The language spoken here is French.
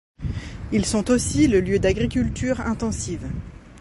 Ils sont aussi le lieu d'agricultures intensives.